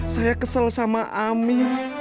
saya kesel sama ami